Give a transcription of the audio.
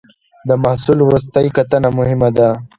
د محصول وروستۍ کتنه مهمه ده.